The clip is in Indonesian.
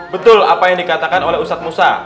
betul apa yang dikatakan oleh ustadz musa